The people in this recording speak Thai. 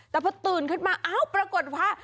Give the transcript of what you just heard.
แต่พอตื่นขึ้นมาอ้าวปรากฏว่า